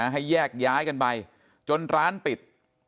ให้แยกย้ายกันไปจนร้านปิด